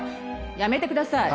やめてください。